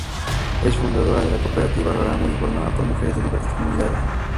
Es fundadora de la Cooperativa Rarámuri, formada por mujeres de diversas comunidades.